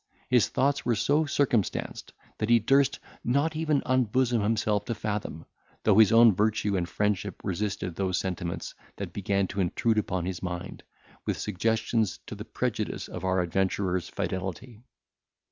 His thoughts were so circumstanced, that he durst not even unbosom himself to Fathom, though his own virtue and friendship resisted those sentiments that began to intrude upon his mind, with suggestions to the prejudice of our adventurer's fidelity.